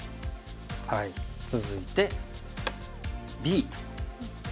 続いてＢと。